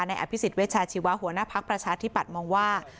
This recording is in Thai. อภิษฎเวชาชีวะหัวหน้าภักดิ์ประชาธิปัตย์มองว่า